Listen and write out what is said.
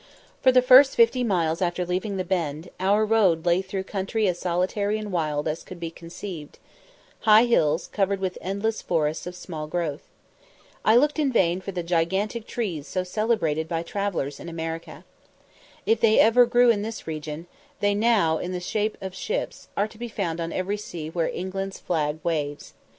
For the first fifty miles after leaving the Bend, our road lay through country as solitary and wild as could be conceived high hills, covered with endless forests of small growth. I looked in vain for the gigantic trees so celebrated by travellers in America. If they ever grew in this region, they now, in the shape of ships, are to be found on every sea where England's flag waves.